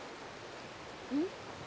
うん？